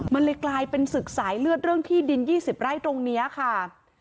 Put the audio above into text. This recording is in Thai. มันเลยกลายเป็นศึกสายเลือดเรื่องที่ดิน๒๐ไร่ตรงนี้ค่ะ